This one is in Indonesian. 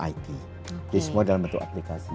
it jadi semua dalam bentuk aplikasi